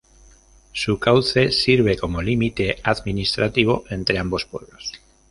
Su cauce sirve como límite administrativo entre ambos pueblos.